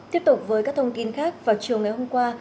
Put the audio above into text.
tiếp tục với các thông tin khác vào chiều ngày hôm qua